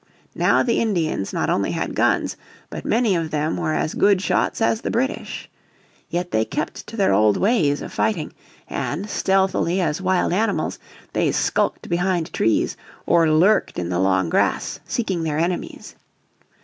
Now the Indians not only had guns, but many of them were as good shots as the British. Yet they kept to their old ways of fighting, and, stealthily as wild animals, they skulked behind trees, or lurked in the long grass, seeking their enemies.